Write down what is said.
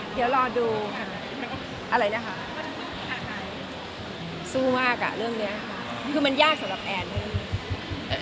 เดี๋ยวรอดูค่ะอะไรเนี่ยค่ะสู้มากอะเรื่องเนี้ยค่ะคือมันยากสำหรับแอร์เนี่ย